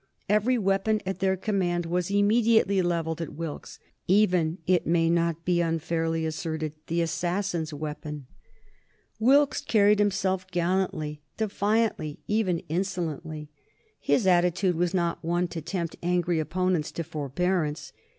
Every weapon at their command was immediately levelled at Wilkes, even, it may not be unfairly asserted, the assassin's weapon. Wilkes carried himself gallantly, defiantly, even insolently. His attitude was not one to tempt angry opponents to forbearance.